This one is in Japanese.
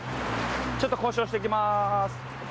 ちょっと交渉してきます。